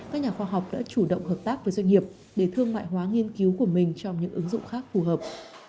các nhà khoa học đã chủ động hợp tác với doanh nghiệp để thương mại hóa nghiên cứu của mình trong những ứng dụng khác phù hợp